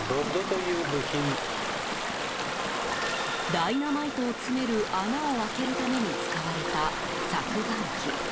ダイナマイトを詰める穴を開けるために使われた削岩機。